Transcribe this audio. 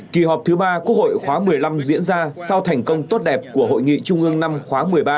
kỳ họp thứ ba quốc hội khóa một mươi năm diễn ra sau thành công tốt đẹp của hội nghị trung ương năm khóa một mươi ba